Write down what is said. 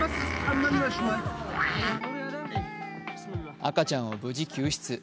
赤ちゃんを無事、救出。